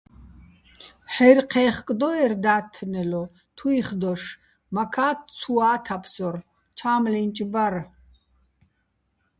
ჰ̦აჲრი̆ ჴეხკდო́ერ და́თთნელო, თუჲხი̆ დოშ, მაქა́ ცუა́ თაფსორ, ჩა́მლინჭ ბარ.